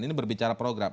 ini berbicara program